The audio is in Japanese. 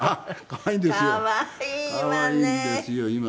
可愛いんですよ今ね。